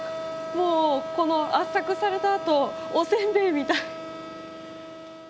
もうこの圧搾されたあとお煎餅みたい。